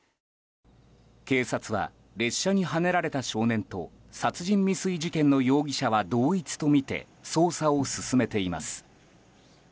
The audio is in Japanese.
警察は列車にはねられた少年と殺人未遂事件の容疑者は同一とみて捜査を進めています。